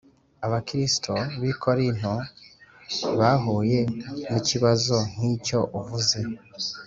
Abakristo b’i Korinto bahuye n’ikibazo nk’icyo uvuze